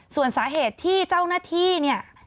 ส่วนสาเหตุที่เจ้าหน้าที่เนี่ย